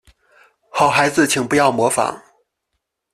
好孩子请不要模仿